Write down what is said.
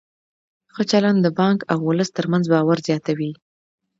ښه چلند د بانک او ولس ترمنځ باور زیاتوي.